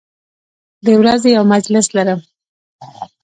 د ورځې یو مجلس لرم